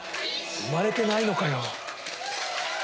「生まれてないのかよ」